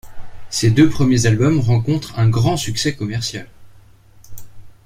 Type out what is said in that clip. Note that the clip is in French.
Ses deux premiers albums rencontrent un grand succès commercial.